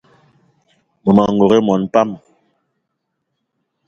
Mmema n'gogué mona pam